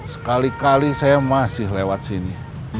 sekali kali saya masih lewat sini